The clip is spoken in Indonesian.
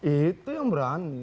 itu yang berani